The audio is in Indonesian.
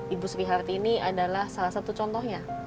ibu sri hartini adalah salah satu contohnya